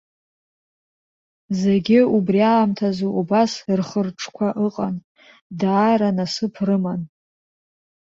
Зегь убри аамҭазы убас рхы-рҿқәа ыҟан, даара насыԥ рыман.